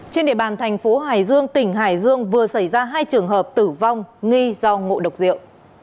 trên địa bàn thành phố hải dương tỉnh hải dương vừa xảy ra hai trường hợp tử vong nghi do ngộ độc rượu